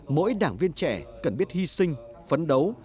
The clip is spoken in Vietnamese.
mỗi đảng viên trẻ cần biết hy sinh phấn đấu